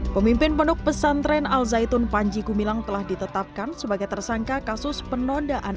pemimpin penuh pesantren al zaitun panji gumilang telah ditetapkan sebagai tersangka kasus penodaan